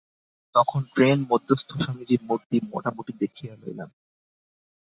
তখন ট্রেনমধ্যস্থ স্বামীজীর মূর্তি মোটামুটি দেখিয়া লইলাম।